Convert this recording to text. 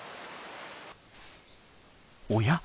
おや？